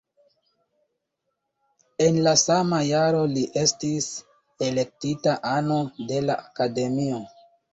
En la sama jaro li estis elektita ano de la Akademio.